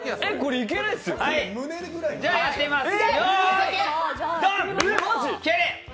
じゃあ、やってみます。